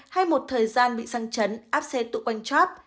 hay một thời gian bị răng chấn áp xe tụ quanh chóp